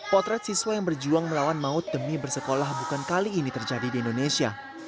potret siswa yang berjuang melawan maut demi bersekolah bukan kali ini terjadi di indonesia